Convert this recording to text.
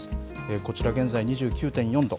こちら、現在２９．４度。